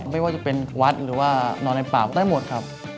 ไม่ว่าจะเป็นวัดหรือว่านอนในป่าได้หมดครับ